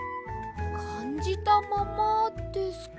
かんじたままですか。